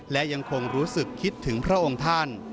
และยังคงรู้สึกคิดถึงพระองค์ท่าน